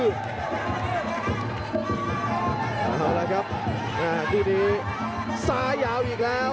เอาละครับคู่นี้ซ้ายยาวอีกแล้ว